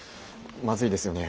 まずいですよね